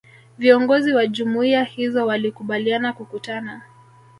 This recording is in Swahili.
Viongozi wa Jumuiya hizo walikubaliana kukutana